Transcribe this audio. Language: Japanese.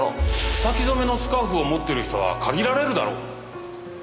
草木染めのスカーフを持ってる人は限られるだろう。